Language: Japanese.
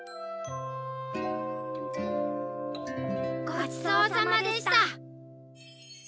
ごちそうさまでした。